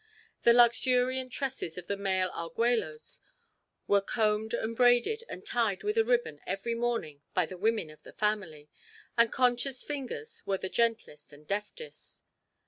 The luxuriant tresses of the male Arguellos were combed and braided and tied with a ribbon every morning by the women of the family, and Concha's fingers were the gentlest and deftest.